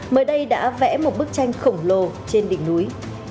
mới đây đã vẽ một bức tranh khổng lồ trên đỉnh núi